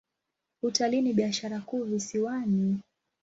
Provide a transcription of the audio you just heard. Utalii ni biashara kuu visiwani.